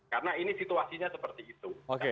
karena ini situasinya seperti itu